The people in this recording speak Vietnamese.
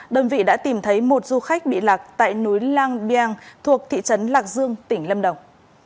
đơn vị đã tìm thấy một du khách bị lạc tại núi lang biang thuộc thị trấn lạc dương tỉnh lâm đồng